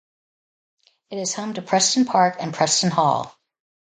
It is home to Preston Park and Preston Hall.